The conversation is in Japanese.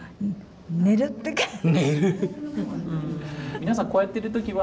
皆さんこうやっている時は？